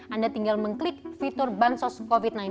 anda tinggal mengklik fitur bantuan sosial covid sembilan belas